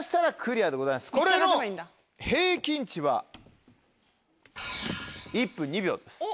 これの平均値は１分２秒です。